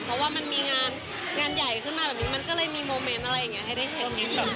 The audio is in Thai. เพราะว่ามันมีงานใหญ่ขึ้นมาแบบนี้มันก็เลยมีโมเมนต์อะไรอย่างนี้ให้ได้เห็น